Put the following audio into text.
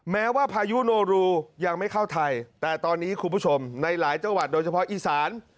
แม้ว่าพายุโนรูยังไม่เข้าไทยแต่ตอนนี้คุณผู้ชมในหลายจังหวัดโดยเฉพาะอีสาน